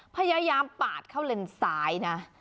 พยายามปาดเข้าเลนซ้ายนะ